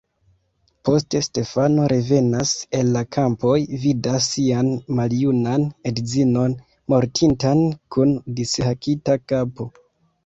Poste Stefano revenas el la kampoj, vidas sian maljunan edzinon mortintan, kun dishakita kapo.